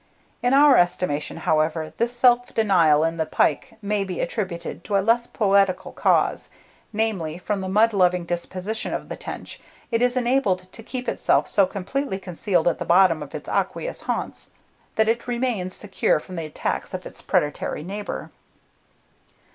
In our estimation, however, this self denial in the pike may be attributed to a less poetical cause; namely, from the mud loving disposition of the tench, it is enabled to keep itself so completely concealed at the bottom of its aqueous haunts, that it remains secure from the attacks of its predatory neighbour.